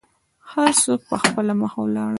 هر څوک په خپله مخه ولاړل.